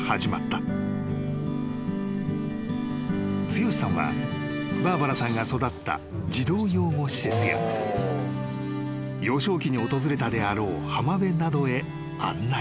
［剛志さんはバーバラさんが育った児童養護施設や幼少期に訪れたであろう浜辺などへ案内］